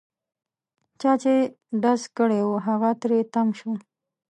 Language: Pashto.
چا چې ډز کړی وو هغه تري تم شو.